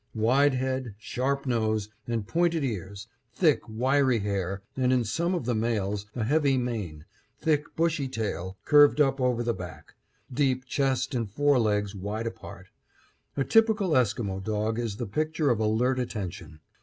Wide head, sharp nose, and pointed ears, thick wiry hair, and, in some of the males, a heavy mane; thick bushy tail, curved up over the back; deep chest and fore legs wide apart; a typical Esquimo dog is the picture of alert attention.